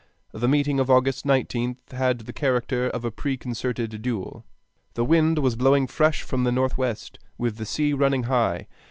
The meeting of August 19th had the character of a preconcerted duel. The wind was blowing fresh from the northwest, with the sea running high.